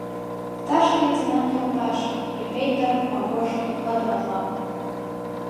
— Старший лейтенант йолташ, ефрейтор Магош докладыватла!..